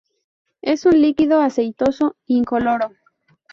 Es un líquido aceitoso incoloro.